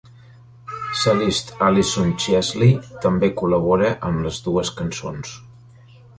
Cellist Alison Chesley també col·labora amb les dues cançons.